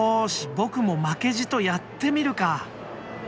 僕も負けじとやってみるか！